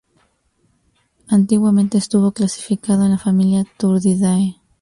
Antiguamente estuvo clasificado en la familia "Turdidae".